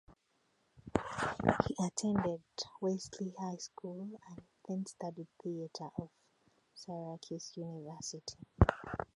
He attended Wellesley High School and then studied theater at Syracuse University.